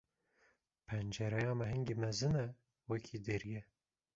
Pencereya me hingî mezin e wekî derî ye.